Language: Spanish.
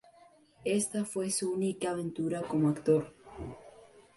Esta fue su única aventura como actor.